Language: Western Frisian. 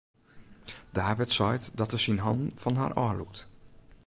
David seit dat er syn hannen fan har ôflûkt.